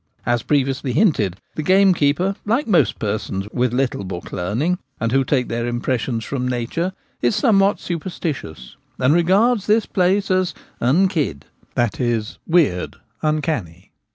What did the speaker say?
As previously hinted, the gamekeeper, like most persons with little book learning and who take their impressions from Battle field in the Park. 63 nature, is somewhat superstitious, and regards this place as i unkid '— i.e. weird, uncanny.